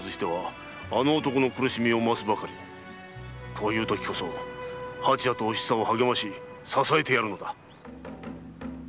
こういうときこそ蜂屋とお久を励まし支えてやるのだ。